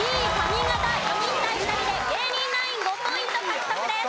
４人対２人で芸人ナイン５ポイント獲得です。